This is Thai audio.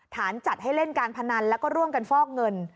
จัดให้เล่นการพนันแล้วก็ร่วมกันฟอกเงิน